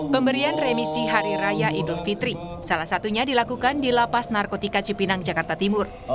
pemberian remisi hari raya idul fitri salah satunya dilakukan di lapas narkotika cipinang jakarta timur